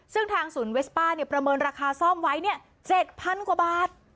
ซึ่งทางศูนย์เวสป้าประเมินราคาซ่อมไว้๗๐๐กว่าบาท